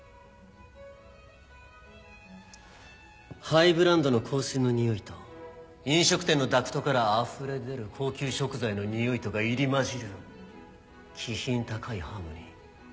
ハイブランドの香水のにおいと飲食店のダクトからあふれ出る高級食材のにおいとが入り交じる気品高いハーモニー。